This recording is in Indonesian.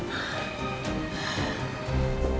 kamu juga harus kuat